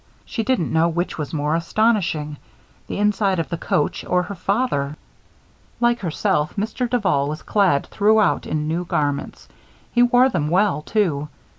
She didn't know which was the more astonishing, the inside of the coach or her father. Like herself, Mr. Duval was clad throughout in new garments. He wore them well, too.